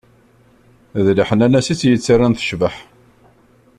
D leḥnana-as i tt-yettarran tecbeḥ.